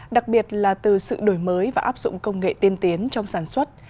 đặc biệt là từ sự đổi mới và áp dụng công nghệ tiên tiến trong sản xuất